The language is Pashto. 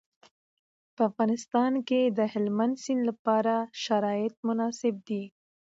په افغانستان کې د هلمند سیند لپاره شرایط مناسب دي.